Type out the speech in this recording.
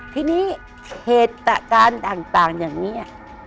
ทีนี้เหตุการณ์ต่างอย่างนี้